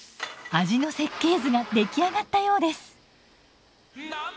味の設計図が出来上がったようです。